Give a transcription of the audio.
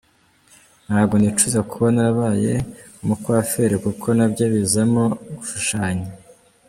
Ntago nicuza kuba narabaye umu-coiffeur kuko nabyo bizamo gushushanya.